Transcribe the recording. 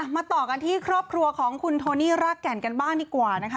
มาต่อกันที่ครอบครัวของคุณโทนี่รากแก่นกันบ้างดีกว่านะคะ